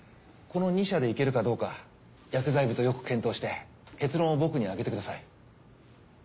この２社でいけるかどうか薬剤部とよく検討して結論を僕にあげてください。